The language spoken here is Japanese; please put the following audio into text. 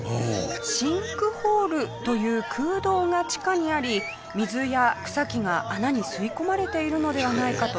シンクホールという空洞が地下にあり水や草木が穴に吸い込まれているのではないかといわれています。